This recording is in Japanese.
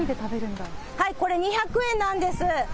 これ、２００円なんです。